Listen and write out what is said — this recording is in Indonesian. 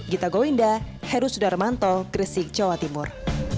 gita goinda heru sudarmanto kresik jawa timur